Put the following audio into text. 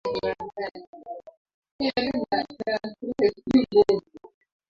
Rais Kenyatta ambaye ni Mwenyekiti wa jumuia ya Afrika mashariki alisema